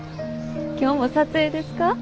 今日も撮影ですか？